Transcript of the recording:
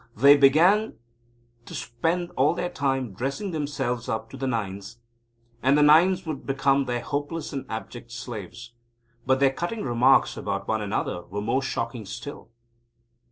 They began to spend all their time in dressing themselves up to the Nines. And the Nines would become their hopeless and abject slaves. But their cutting remarks about one another were more shocking still.